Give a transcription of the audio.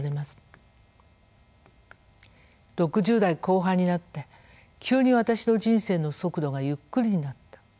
６０代後半になって急に私の人生の速度がゆっくりになった。